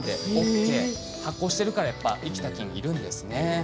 発酵してるからやっぱ生きた菌いるんですね。